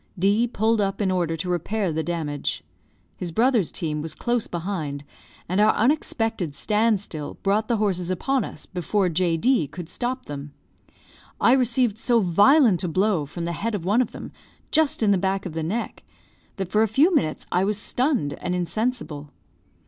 D pulled up in order to repair the damage. His brother's team was close behind, and our unexpected stand still brought the horses upon us before J. D could stop them. I received so violent a blow from the head of one of them, just in the back of the neck, that for a few minutes I was stunned and insensible.